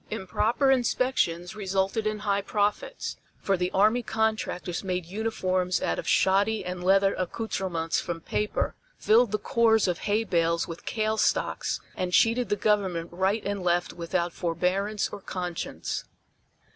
Improper inspections resulted in high profits, for the army contractors made uniforms out of shoddy and leather accouterments from paper, filled the cores of hay bales with kale stocks and cheated the Government right and left without forbearance or conscience.